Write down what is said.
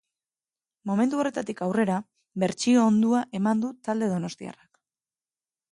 Momentu horretatik aurrera, bertsio ondua eman du talde donostiarrak.